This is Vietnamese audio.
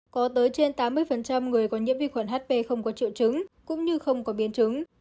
có tới trên tám mươi người có nhiễm vi khuẩn hp không có triệu chứng cũng như không có biến chứng